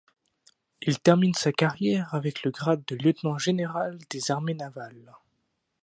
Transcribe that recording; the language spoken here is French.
Il termine sa carrière avec le grade de Lieutenant général des armées navales.